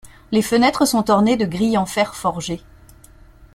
Les fenêtres sont ornées de grilles en fer forgé.